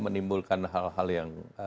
menimbulkan hal hal yang